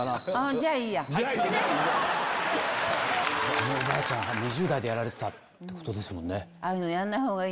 あのおばあちゃん２０代でやられてたんですもんね。